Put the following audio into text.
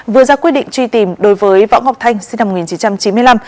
vừa ra quyết định truy tìm đối với võ ngọc thanh sinh năm một nghìn chín trăm chín mươi năm